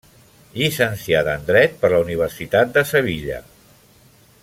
Llicenciada en Dret per la Universitat de Sevilla.